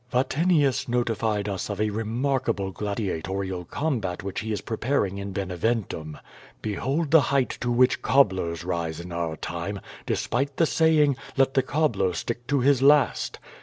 Vatinius notified us of a remarkable gladiatoral combat which he is preparing in Beneventum. Behold the height to which cobblers rise in our time, despite the saying, "let the cobbler stick to his last."